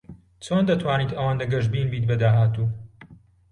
چۆن دەتوانیت ئەوەندە گەشبین بیت بە داهاتوو؟